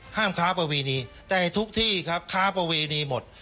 ห้ามค้าประเวณีแต่ทุกที่ครับค้าประเวณีหมด